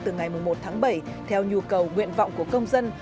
từ ngày một mươi một tháng bảy theo nhu cầu nguyện vọng của công dân